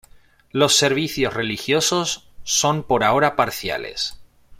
Los servicios religiosos son por ahora parciales.